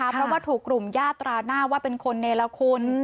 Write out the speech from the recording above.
เพราะว่าถูกกลุ่มยาตราหน้าว่าเป็นคนเนรคุณ